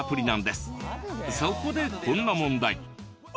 そこでこんな問題。